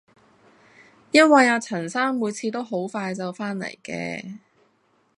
因為阿陳生每次都好快就返嚟嘅